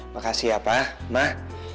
makasih ya pa mah